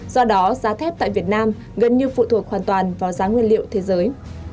do đó giá thép tại việt nam gần như phụ thuộc hoàn toàn vào giá nguyên liệu thế giới